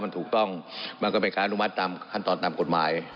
มันถูกต้องมันก็เป็นการอนุมัติตามขั้นตอนตามกฎหมาย